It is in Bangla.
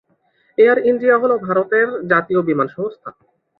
এয়ার ইন্ডিয়া হল ভারতের জাতীয় বিমান সংস্থা।